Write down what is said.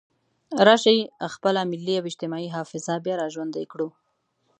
راشئ خپله ملي او اجتماعي حافظه بیا را ژوندۍ کړو.